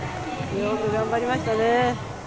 よく頑張りましたね。